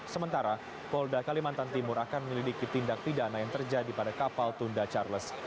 sementara polda kalimantan timur akan menyelidiki tindak pidana yang terjadi pada kapal tunda charles